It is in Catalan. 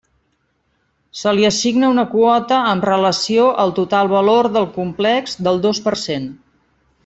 Se li assigna una quota amb relació al total valor del complex del dos per cent.